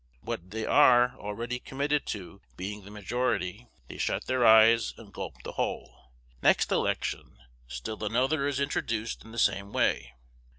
What they are already committed to being the majority, they shut their eyes and gulp the whole. Next election, still another is introduced in the same way.